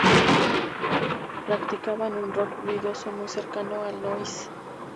Practicaban un rock ruidoso muy cercano al noise.